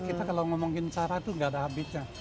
kita kalau ngomongin cara itu gak ada habisnya